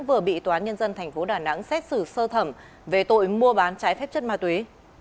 vừa bị tòa án nhân dân tp đà nẵng xét xử sơ thẩm về tội mua bán trái phép chất ma túy